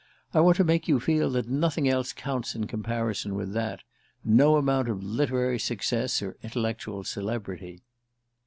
"I want to make you feel that nothing else counts in comparison with that no amount of literary success or intellectual celebrity."